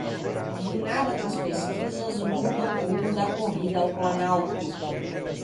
Guinada nas pesquisas muda o rumo da corrida ao Planalto